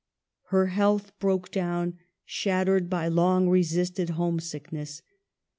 Her health broke down, shat tered by long resisted homesickness.